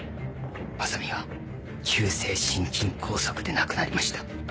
正美は急性心筋梗塞で亡くなりました。